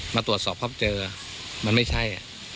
มาตรวจสอบพบเจอมันไม่ใช่